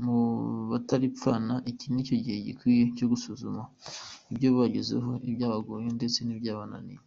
Ku Bataripfana, iki ni igihe gikwiye cyo gusuzuma ibyo bagezeho, ibyabagoye ndetse n’ibyabananiye.